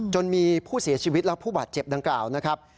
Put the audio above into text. จนมีผู้เสียชีวิตและผู้บาดเจ็บดังกล่าวนะครับ